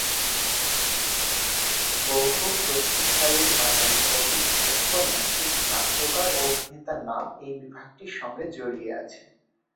বহু প্রথম সারির বাঙালি কবি, ঔপন্যাসিক, নাট্যকার ও অভিনেতার নাম এই বিভাগটির সঙ্গে জড়িয়ে আছে।